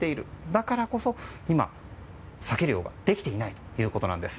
だからこそ今、サケ漁ができていないと。